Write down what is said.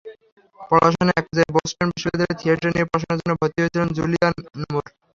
পড়াশোনার একপর্যায়ে বোস্টন বিশ্ববিদ্যালয়ে থিয়েটার নিয়ে পড়াশোনার জন্য ভর্তি হয়েছিলেন জুলিয়ান মুর।